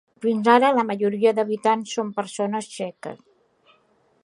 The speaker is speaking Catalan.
Fins ara, la majoria d"habitants són persones txeques.